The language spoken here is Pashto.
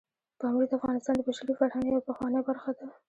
پامیر د افغانستان د بشري فرهنګ یوه پخوانۍ برخه ده.